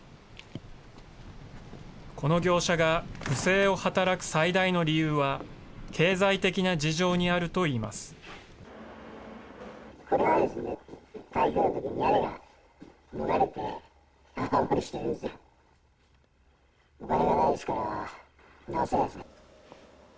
この業者が、不正を働く最大の理由は、経済的な事情にあるといいます。